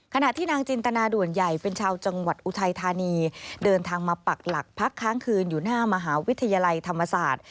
ขณะที่นางจินตนาด่วนใหญ่เป็นชาวจังหวัดอุทัยธานีเดินทางมาปักหลักพักค้างคืนอยู่หน้ามหาวิทยาลัยธรรมศาสตร์